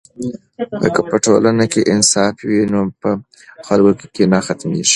که په ټولنه کې انصاف وي نو په خلکو کې کینه ختمېږي.